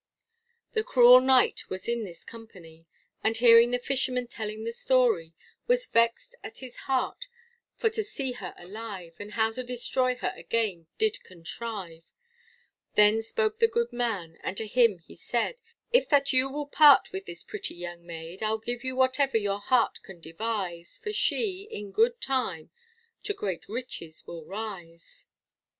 The cruel Knight was in this company, And hearing the fisherman telling his story, Was vexed at his heart for to see her alive, And how to destroy her again did contrive; Then spoke to the good man, and to him he said, If that you will part with this pretty young maid, I'll give you whatever your heart can devise, For she, in good time, to great riches will rise.